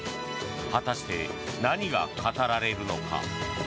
果たして、何が語られるのか？